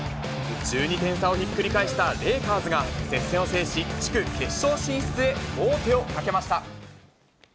１２点差をひっくり返したレイカーズが接戦を制し、地区決勝進出へ王手をかけました。